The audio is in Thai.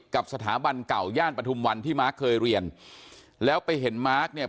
กับสถาบันเก่าย่านปฐุมวันที่มาร์คเคยเรียนแล้วไปเห็นมาร์คเนี่ย